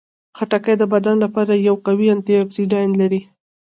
خټکی د بدن لپاره یو قوي انټياکسیدان لري.